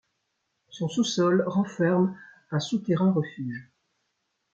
Son sous-sol renferme un souterrain-refuge.